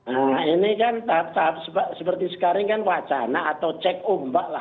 nah ini kan tahap tahap seperti sekarang kan wacana atau cek ombak lah